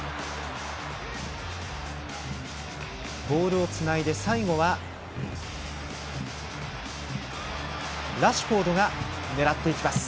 ボールをつないで最後はラッシュフォードが狙います。